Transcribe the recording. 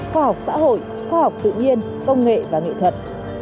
khoa học xã hội khoa học tự nhiên công nghệ và nghệ thuật